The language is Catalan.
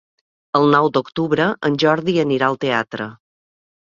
El nou d'octubre en Jordi anirà al teatre.